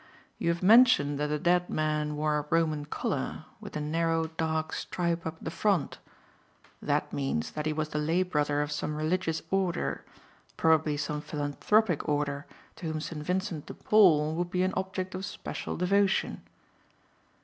You have mentioned that the dead man wore a Roman collar, with a narrow, dark stripe up the front. That means that he was the lay brother of some religious order, probably some philanthropic order, to whom St. Vincent de Paul would be an object of special devotion.